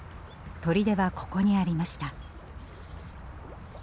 砦はここにありました。